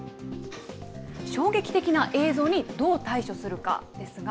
衝撃的な映像にどう対処するかですが。